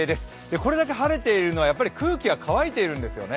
これだけ晴れているのは空気が乾いているんですよね。